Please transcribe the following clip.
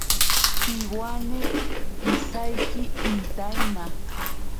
Piwane isaiki intaina.